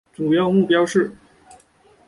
主要目标是